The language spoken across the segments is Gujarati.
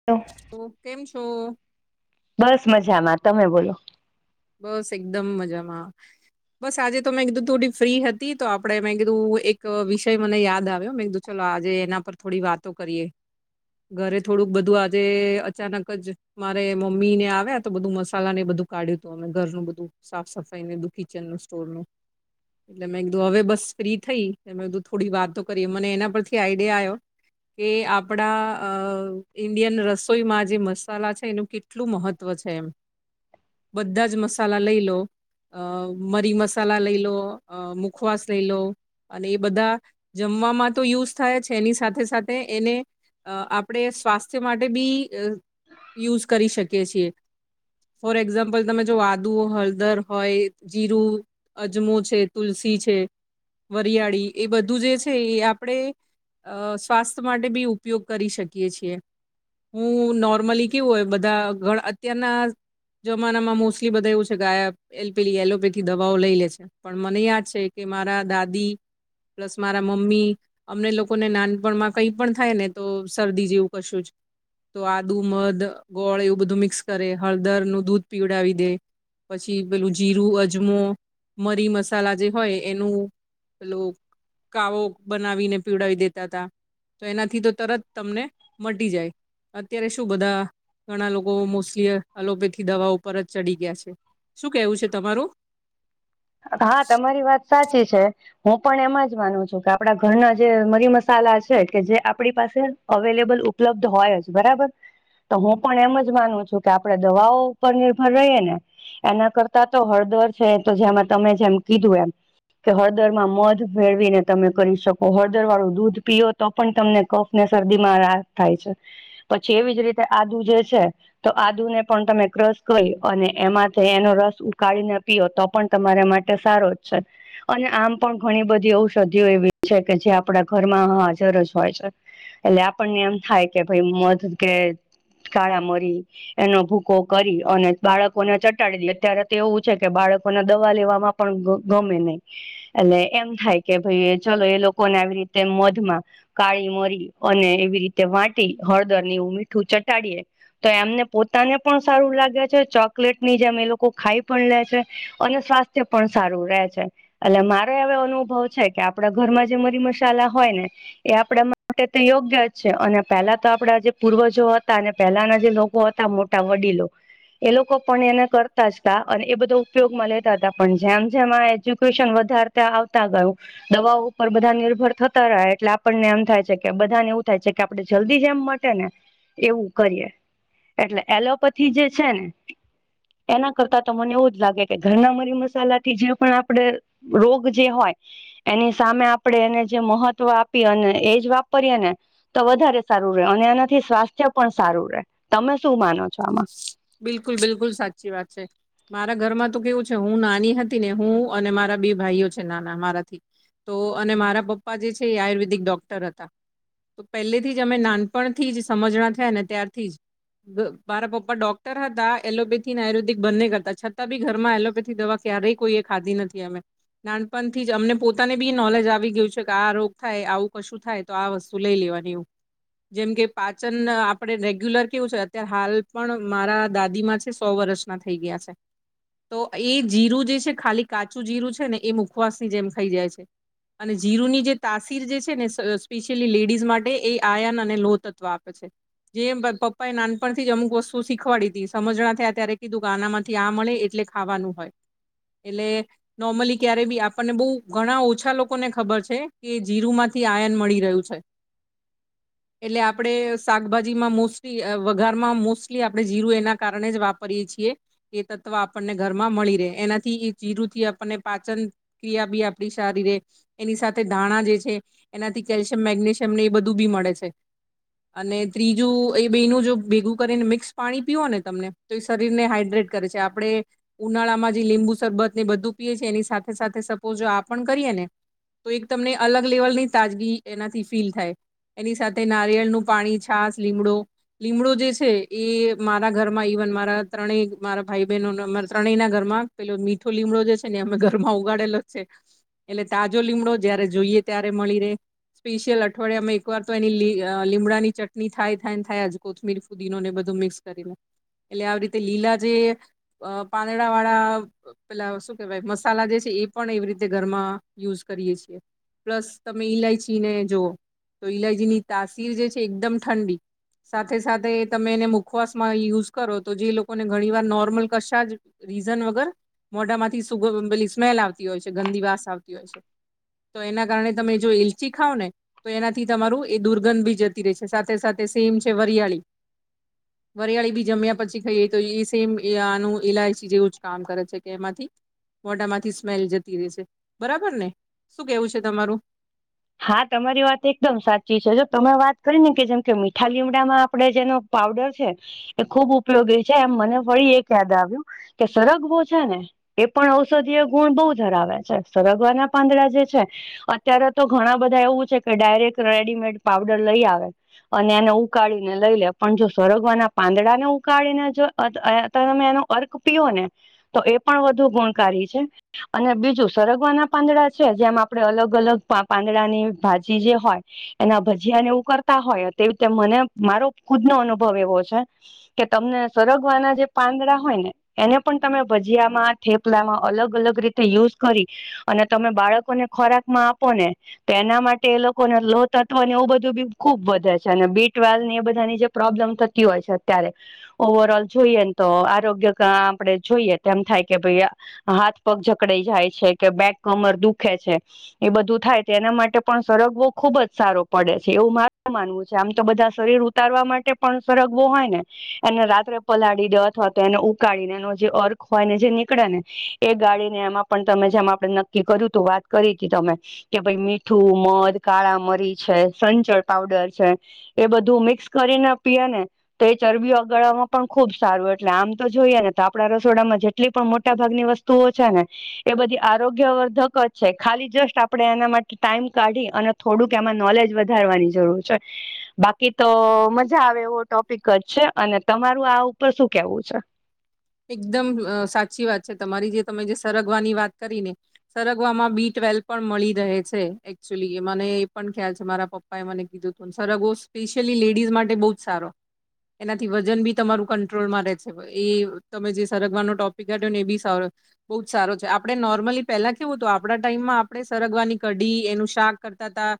[unintelligible] તો કેમ છો? બસ મજામાં તમે બોલો બસ એકદમ મજામાં બસ આજે તો મેં કિધુ તુડિ ફ્રી હતી તો આપડે મેં કીધું એક વિષય મને યાદ આવ્યો મેં ક્ધુ ચલો આજે એના પર થોડી વાતો કરીએ ઘરે થોળુક બધું આજે અચાનક જ મારે મમ્મી ને આવ્યા તો બધું મસાલા ને એ બધું કાઢ્યું તો ઘરનું બધું સાફ સફાઈ ને દુકિચનનું સ્ટોરનું એટલે મેં ક્ધુ હવે બસ ફ્રી થઈ મેં ક્ધું થોડી વાતો કરીયે મને એના પરથી આઈડિયા આયો એ આપડા અ ઇન્ડિયન રસોઈમાં જે મસાલા છે એનું કે ટલું મહત્વ છે એમ બધા જ મસાલા લય લો અ મરી મસાલા લઈ લો અ મુખવાસ લઈ લો અને એ બધા જમવામાં તો યુઝ થાય છે એની સાથે સાથે એને અ આપડે સ્વાસ્થ્ય માટે બી અ યુઝ કરી શકીએ છીએ ફોર એકઝામ પલ તમે જો આદુ હલદર હોય જીરું અજમો છે તુલસી છે વરિયાળી એ બધું જે છે ઈ આપડે અ સ્વાસ્થ માટે બી ઉપયોગ કરી શકીએ છીએ હું નોર્મલી કેવું ઓય બધા ઘળ અત્યારના જમાનામાં મોસ્લી બધા એવું છે ગાયા એલપેલી એલોપેથી દવાઓ લઈ લે છે પણ મને યાદ છે કે મારા દાદી પ્લસ મારા મમ્મી અમને લોકોને નાનપણમાં કંઈ પણ થાય ને તો શરદી જેવું કશું જ તો આદુ મદ ગોળ એવું બધું મિક્સ કરે હળદરનું દૂધ પીવળાવી દે પછી પેલું જીરું અજમો મરી મસાલા જે હોય એનું પેલો કાવો બનાવીને પીવળાવી દેતા તા તો એનાથી તો તરત તમને મટી જાય અત્યારે શું બધા ઘણા લોકો મોસ્લી અલોપેથી દવાઓ પર જ ચડી ગ્યા છે શું કેવું છે તમારું? હા તમારી વાત સાચી છે હું પણ એમ જ માનું છું કે આપડા ઘરના જે મરી મસાલા છે કે જે આપડી પાસે અવેલેબલ ઉપલબ્ધ હોય જ બરાબર તો હું પણ એમ જ માનું છું કે આપડે દવાઓ ઉપર નિર્ભર રયે ને એના કરતા તો હળદર છે તો જેમાં તમે જેમ કીધું એમ કે હળદરમાં મધ ભેળવીને તમે કરી શકો હળદર વારુ દૂધ પીયો તો પણ તમને કફ ને શરદી માં રાહત થાય છે પછી એવી જ રીતે આદુ જે છે તો આદુ ને પણ તમે ક્રસ કરી અને એમાંથે એનો રસ ઉકારીને પીઓ તો પણ તમારા માટે સારો જ છે અને આમ પણ ઘણી બધી ઔષધિયો એવી જ છે કે જે આપડા ઘરમાં હાજર જ હોય છે એટલે આપણને એમ થાય કે ભઈ મધ કે કાળા મરી એનો ભૂકો કરી અને બાળકોને ચટાળી લે અત્યારે તો એવું છે કે બાળકોને દવા લેવામાં પણ ગ ગમે નય અને એમ થાય કે ભઈ ચલો એ લોકોને આવી રીતે મધ માં કાળી મરી અને એવી રીતે વાટી હળદર ને એવું મીઠું ચટાળીએ તો એમને પોતાને પણ સારું લાગે છે ચોકલેટ ની જેમ એ લોકો ખાય પણ લે છે. અને સ્વાસ્થ્ય પણ સારું રે છે. એટલે મારે હવે અનુભવ છે કે આપડા ઘરમાં જે મરી મસાલા હોય ને એ આપણા માટે તે યોગ્ય છે અને પેલાતો આપડા જે પૂર્વજો હતા ને પેલાના જે લોકો હતા તા વડીલો એ લોકો પણ એને કરતા જ તા અને એ બધું ઉપયોગમાં લેતા હતા પણ જેમ જેમ આ એજ્યુકેશન વધારતા આવતા ગયું દવાઓ ઉપર બધા નિર્ભર થતા રહે એટલે આપણને એમ થાય છે કે બધાને એવું થાય છે કે આપડે જલ્દી જેમ માં ને એવું કરીએ એટલે એલોપેથી જે છે ને એના કરતાં તા મને એવું જ લાગે છે. કે ઘરના મરી મસાલાથી જે પણ આપડે રોગ જે હોય એની સામે આપણેે એને જે મહત્વ આપીએ અને એજ વાપરીએ ને તો વધારે સારું રહે અને એનાથી સ્વાસ્થ્ય પણ સારું રહે તમે શું માનો છો આમાં બિલકુલ બિલકુલ સાચી વાત છે. મારા ઘરમાં તો કેવું છે, હું હતી ને હું અને મારા બે ભાઈઓ છે નાના તો અને મારા પપ્પા જે છે એ આયુર્વેદિક ડોક્ટર હતા. તો પહેલેથી જ અમે નાનપણથી જ સમજણા થયા ને ત્યારથી જ મારા પપ્પા ડોક્ટર હતા એલોપેથીને આયુર્વેદિક બંને કરતા, છતાં બી ઘરમાં એલોપેથી દવા ક્યારેય કોઈએ ખાધી નથી અમે નાનપણથી જ અમને પોતાને બી નોલેજ આવી ગયું છે કે આ રોગ થાય આવું કશું થાય. તો આ વસ્તુ લઈ લેવાની એવું, જેમ કે પાચન આપણે રેગ્યુલર કેવું છે અત્યારે હાલ પણ મારા દાદીમાં છે, સો વર્ષના થઈ ગયા છે. તો એ જીરું જે છે, ખાલી કાચું જીરું છે ને એ મુખવાસની જેમ ખાઈ જાય છે. અને જીરુની જે તાસીર જે છે ને સ્પેશિયલી લેડીઝ માટે એ આયાન અને લો તત્વ આપે છે. જે પપ્પા એ નાનપણ થી જ અમુક વસ્તુ શીખવાડી હતી સમાજણા થયા ત્યારે કીધું કે આનામાંથી આ મળે એટલે ખાવાનું હોય. એટલે નોર્મલી ક્યારે બી આપણને બહુ ઘણા ઓછા લોકોને ખબર છે કે જીરુમાંથી આયન મળી રહ્યું છે. એટલે આપડે શાકભાજીમાં મોસ્ટલી વગારમાં મોસ્ટલી આપણે જીરું એના કારણે જ વાપરીએે છીએ. એ તત્વ આપણને ઘરમાં મળી રહે, એનાથી એ જીરુથી આપણને પાચન ક્રિયા ભી આપણી સારી રહે એની સાથે ધાણા જે છે એનાથી કેલ્શિયમ, મેગ્નેશિયમ ને એ બધું બી મળે છે. અને ત્રીજું એ બે નું જો ભેગું કરીને મિક્સ પાણી પીઓ ને તમને તો એ શરીર ને હાઈડ્રેટ કરે છે, આપણે ઉનાળામાં જે લીંબુ સરબત ને એ બધું પીએ છે, એની સાથે સપોઝ જો આ પણ કરીએ ને તો એક તમને અલગ લેવલની તાજગી એનાથી ફીલ થાય. એની સાથે નારિયેળનું પાણી, છાસ, લીમડો, લીમડો જે છે. એ મારા ઘરમાં ઇવન મારા ત્રણેય મારા ભાઈ બહેનો ત્રણેયના ઘરમાં પેલો મીઠો લીમડો જે છે ને, અમે ઘરમાં ઉગાડેલો છે. એટલે તાજો લીમડો જયારે જોઈએ, ત્યારે મળી રહેે. સ્પેશિયલ અઠવાડિયામાં એક વાર તો એની લીમડાની ચટણી થાય, થાય ને થાય જ કોથમીર ફુદીનો ને બધુ મિક્સ કરીને, એટલે આવી રીતે લીલા જે પાંદડા વાળા પેલા શું કેવાય મસાલા જે છે, એ પણ એવી રીતે ઘરમાં યુઝ કરીએે છીએ. પ્લસ તમે ઈલાયચીને જુઓ, તો ઈલાયચીની તાસીર જે છે એ એકદમ ઠંડી સાથે, સાથે તમે એને મુક ઉપવાસમાં યુઝ કરો તો જે લોકોને ઘણી વાર નોર્મલ કશા જ રીઝન વગર મોઢામાંથી સુગ પેલી સ્મેલ આવતી હોય છે, ગંદી વાસ આવતી હોય છે. તો એના કારણે તમે જો ઇલચી ખાવ ને તો એનાથી તમારું એ દુર્ગંધ બી જતી રેય છે, સાથે સાથે સેમ છે વરિયાળી વરિયાળી બી જમ્યા પછી ખઈએ, તો ઈ સેમ આનું ઇલાયચી જેવું જ કરે છે કે એમાંથી મોટામાંથી સ્મેલ જતી રે છે બરાબર ને? શું કેવું છે તમારું? હા તમારી વાત એકદમ સાચી છે, જો તમે વાત કરી ને કે જેમ કે મીઠા લીમડામાં આપડે જેનો પાવડર છે. એ ખુબ ઉપયોગી છે, એમ મને ફરી એક યાદ આવ્યું કે સરગવો છે ને એ પણ ઔષધીય ગુણ બઉ ધરાવે છે, સરગવાના પાંદડા જે છે અત્યારે તો ઘણા બધા એવું છે કે ડાયરેક્ટ રેડીમેડ પાવડર લઈ આવે. અને એને ઉકાળીને લઈ લે પણ જો સરગવાના પાંદડાને ઉકાળીને જો અત અ તમે એનો અર્ક પીયો ને તો એ પણ વધુ ગુણકારી છે. અને બીજું સરગવાના પાંદડા છે જેમ આપડે અલગ અલગ પા પાંદડાની ભાજી જે હોય એના ભજીયાને એવું કરતા હોય તેવી રીતે મને મારો ખુદનો અનુભવ એવો છે. કે તમને સરગવાના જે પાંદડા હોય ને એને પણ તમે ભજીયામાં થેપલામાં અલગ અલગ રીતે યુઝ કરી અને તમે બાળકોને ખોરાક માં આપો ને તો એના માટે એ લોકોને લોહ તત્વને એવું બધું બી ખુબ વધે છે ને બી ટ્વેલને એ બધાની જે પ્રોબ્લેમ થતી હોય છે અત્યારે ઓવર ઓલ જોઈએ ન તો આરોગ્ય કાં આપડે જોઈએ તો એમ થાય કે ભઈ આ હાથ પગ જકડઈ જાય છે કે બેક કમર દુઃખે છે એ બધું થાય. તેના માટે પણ સરગવો ખુબ જ સારો પડે છે એવું મારું માનવું છે આમ તો બધા શરીર ઉતારવા માટે પણ સરગવો હોય ને એને રાત્રે પલાળી દો અથવા તો એને ઉકાળી ને એનો જે અર્ક હોય ને જે નિકળે ને એ ગાડીને એમાં પણ તમે જેમ આપણેે નક્કી કર્યું વાત કરી હતી તમે કે ભઈ મીઠું મધ કાળા મરી છે સંચળ પાવડર છે. એ બધું મિક્સ કરીને પીએ ને તો એ ચરબી ઓગાળવામાં પણ ખુબ સારું એટલે આમ તો જોઈએ ને તો આપડા રસોડામાં જેટલી પણ મોટા ભાગની વસ્ તુઓ છે ને એ બધી આરોગ્યવર્ધક જ છે ખાલી જસ્ટ આપ પડે એના માટે ટાઈમ કાઢી અને થોડુંક એમાં નોલેજ વધારવાની જરૂર છે. બાકી તો મઝા આવે એવો ટોપિક જ છે અને તમારું આ ઉપર શું કેવું છે? એકદમ સાચી વાત છે તમારી જે તમે જે સરગવાની વાત કરી ને. સરગવામાં બી ટ્વેલ પણ મળી રહે છે એકચુલી એ મને એ પણ ખ્યાલ છે મારા પપ્ પાએ મને કીધું તું સરગવો સ્પેશિયલી લેડીઝ માટે બઉ જ સારો એનાથી વજન બી તમારું કંટ્રોલમાં રે છે એ તમે જે સરગવાનો ટોપિક કાઢ્યો ને એ બી સારો બો જ સારો છે આપડે નોર્મલી પહેલા કેવું હતું આપડા ટાઈમમાં આપડે સરગવાની કઢી એનું શાક કરતા તા.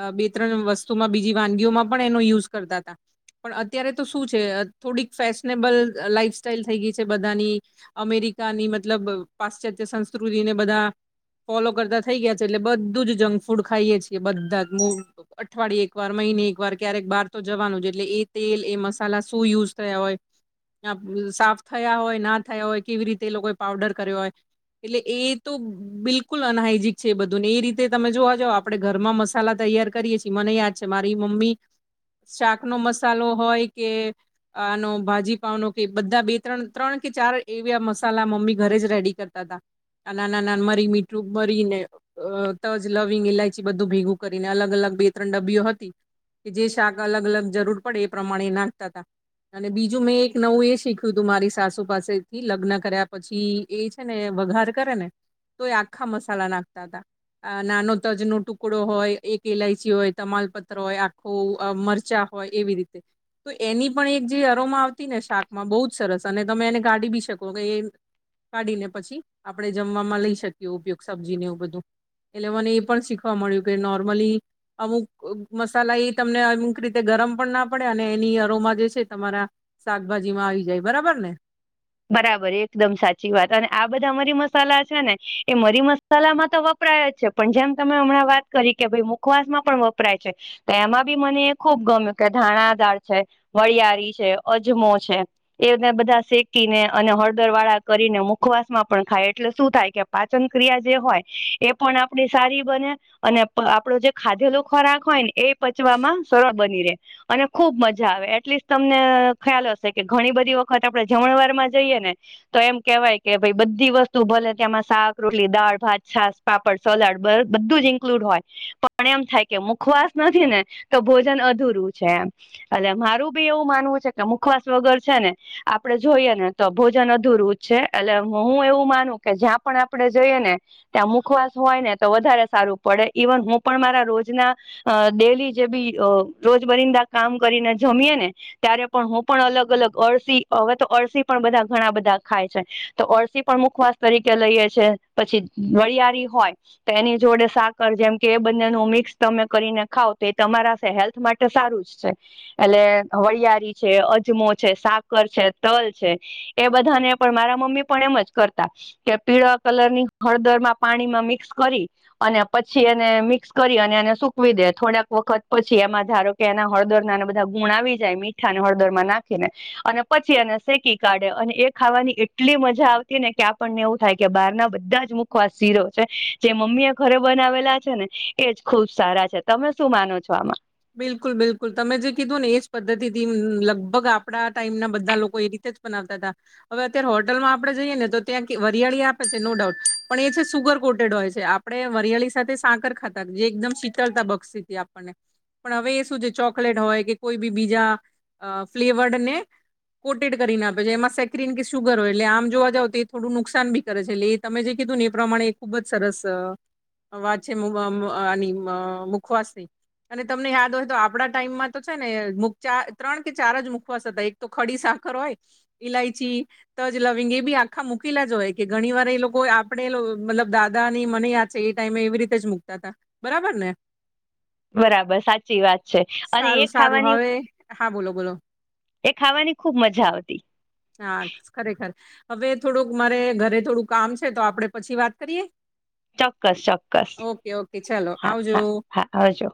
અ બે ત્રણ વસ્તુમાં બીજી વાનગીઓમાં પણ એનો યુઝ કરતા તા. પણ અત્યારે તો શું છે અ થોડીક ફેશનેબલ લાઈફ સ્ટાઈલ થઈ ગઈ છે બધાની અમેરિકાની મતલબ પાશ્ચાત્ય સંસ્કૃતિને બધા ફોલો કરતા થઇ ગયા છે એટલે બધું જ જંક ફૂડ ખાઈએ છીએ બધા જ [unintelligible] અઠવાડિયે એક વાર મહિને એક વાર ક્યારેક બાર તો જવાનું છે એટલે એ તેલ એ મસાલા શું યુઝ થયા હોય. અ પ સાફ થયા હોય ના થયા હોય કેવી રીતે એ લોકોએ પાવડર કર્યો હોય એટલે એ તો બિલકુલ અનહાઈજીક છે એ બધું ને એ રીતે તમે જોવા જાવો આપણેે ઘરમાં મસાલા તૈયાર કરીએ છીએ મને યાદ છે મારી મમ્મી શાક નો મસાલો હોય કે આનો ભાજીપાવનો કે બધા બે ત્રણ ત્રણ કે ચાર એવી મસાલા મમ્મી ઘરે જ રેડી કરતા હતા. નાના નાના મરી મીઠું ભરીને. અ તજ, લવિંગ, ઈલાયચી બધું ભેગું કરીને અલગ અલગ બે ત્રણ ડબ્બીઓ હતી. કે જે શાક અલગ અલગ જરૂર પડે એ પ્રમાણે નાખતા હતા અને બીજું મેં એક નવું એ શીખ્યું. તું તું મારી સાસુ પાસે થી લગ્ન કર્યા પછી એ છે ને વઘાર કરે ને તોય આખા મસાલા નાખતા હતા. આ નાનો તજ નો ટુકડો હોય, એક ઈલાયચી હોય, તમાલપત્ર હોય આખો. મરચા હોય એવી રીતે તો એની પણ એક જે અરોમાં આવતી ને શાકમાં બહુ સરસ અને તમે એને કાઢી બી શકો કે એ કાઢીને પછી આપડણે જમવાવામાં લઈ શકીએ ઉપયોગ સબ્જી ને એવું બધું. એટલે મને એ પણ શીખવા મળ્યું કે નોર્મલી અમુક મસાલા એ તમને અમુક રીતે ગરમ પણ ના પડે અને એની અરોમાં જે છે તમારા શાકભાજી માં આવી જાય. બરાબર ને? બરાબર એકદમ સાચી વાત. અને આ બધા મરી મસાલા છે ને, એ મરી મસા મસલામાં તો વપરાય જ છે. પણ જેમ તમે હમણાં વાત કરી કે, ભાઈ મુખવાસ માં પણ વપરાય છે. તો એમાં બી મને એ ખુબ ગમ્યું કે ધાણાદાળ છે, વળયારી છે, અજમો છે, એને બધા શીખ કીને અને હળદર વાળા કરીને, મુખવાસ માં પણ ખાય. એટલે શું થાય કે પાચન ક્રિયા જે હોય એ પણ આપડી સારી બને, અને અપ આપડો જે ખાધેલો ખોરાક હોય એ પચવામાં સરળ બની રહે. અને ખુબ મજા આવે. એટલીસ્ટ તમને ખ્યાલ હશે કે, ઘણી બધી વખત આપડે. જમણવાર જઈએ ને. તો એમ કેવાય કે ભાઈ બધી વસ્તુ ભલે ત્યામાં શાક, રોલી, દાળ, ભાત, છાસ, પાપડ, સલાડ બધ બધું જ ઇન્ક્લુડ હોય પણ એમ થાય કે, મુખવાસ નથી ને ભોજન અધૂરું છે એમ. અને મારું બી એવું માનવું છે કે, મુખવાસ વગર છે ને આપડે જોઈએ ને તો ભોજન અધુરું જ છે. એટલે હું એવું માનું કે, જ્યાં પણ આપણે જોઈએ ને ત્યાં મુખવાસ હોય ને તો વધારે સારું પડે. ઈવન હું પણ મારા રોજના અ ડેલી જે બી અ રોજબરિંદા કામ કરીને જમીએે ને ત્યારે પણ હું પણ અલગ અલગ અળસી હવે તો અળસી પણ બધા ઘણા બધા ખાય છે. તો અળસી પણ મુખવાસ તરીકે લઈએ છે. પછી વળયારી હોય. તેની જોડે સાકર જેમ કે એ બંને નું મિક્સ તમે કરીને ખાવ તો એ તમારા જે હેલ્થ માટે તો સારું જ છે. એટલે વળયારી છે, અજમો છે, સાકર છે, તલ છે, એ બધાને પણ મારા મમ્મી પણ એમ જ કરતા. કે પીળા કલર ની હળદરમાં પાણીમાં મિક્સ કરી અને પછી એને મિક્સ કરી અને એને સુકવી દે. થોડાક વખત પછી એમાં ધારો કે એના હળદર નાને બધા ગુણ આવી જાય મીઠાને હળદરમાં નાખીને અને પછી એને શેકી કાઢે. અને એ ખાવાની એટલી મજા આવતી ને કે, આપણને એવું થાય કે બારના બધા જ મુખ વાસ ઝીરો છે. જે મમ્મી એ ઘરે બનાવેલા છે ને, એજ ખુબ સારા છે. તમે શું માનો છો આમાં? બિલકુલ, બિલકુલ. તમે જે કીધું ને, એ જ પદ્ધતિ લગભગ આપણા ટાઈમ ના બધા લોકો એક જ બનાવતા હતા. હવે અત્યારે હોટલમાં આપણે જઈએ ને, તો ત્યાં વરિયાળી આપે છે. No doubt. પણ એ છે સુગર કોટેડ હોય છે. આપણે વરિયાળી સાથે સાંકર ખાતા. જે એકદમ શીતળતા બક્ષીથી આપણને. પણ હવે એ શું છે, ચોકલેટ હોય કે કોઈ બી બીજા ફ્લેવર્ડ ને. કોટેડ કરીને આપે છે. એમાં સેકરીન કે સુગર હોય. એટલે આમ જોવા જાવ તો થોડું નુકસાન બી કરે છે. એટલે તમે જે કીધું ને એ પ્રમાણે ખુબ જ સરસ. વા છે મુ અને મુખવાસને. અને તમને યાદ હોય તો, આપડા ટાઈમમાં તો છે ને ત્રણ કે ચાર જ મુખવાસ હતા. એક તો ખડી સાકર હોય. ઇલાયચી. તજ લવિંગ એ બી આખા મૂકેલા જ હોય. કે ઘણી વાર એ લોકો આપણે મતલબ દાદા ની મને યા. એ ટાઈમે એવી રીતે જ મુકતા હતા. બરાબર ને? બરાબર સાચી વાત છે. અને એ સારું સારું ખાવાની. હવે હા બોલો બોલો. એ ખાવાની ખુબ મજા આવતી. હા ખરેખર. હવે થોડુંક મારે ઘરે થોડું કામ છે. તો આપડે પછી વાત કરીએ? ચોક્કસ ઓકે ઓકે ચાલો હા આવજો હા. આવજો